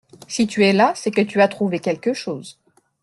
Si tu es là, c’est que tu as trouvé quelque chose